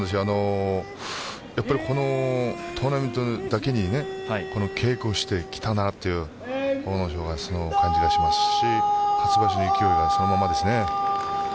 このトーナメントだけに稽古してきたなという阿武咲、感じがしますし初場所の勢いがそのままですね。